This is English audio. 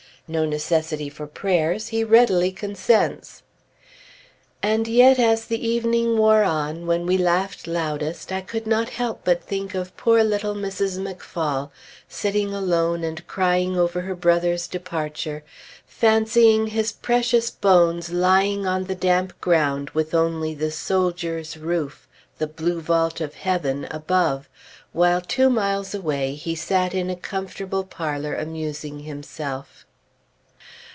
No necessity for prayers; he readily consents. And yet, as the evening wore on, when we laughed loudest I could not help but think of poor little Mrs. McPhaul sitting alone and crying over her brother's departure, fancying his precious bones lying on the damp ground with only the soldier's roof the blue vault of heaven above, while two miles away he sat in a comfortable parlor amusing himself.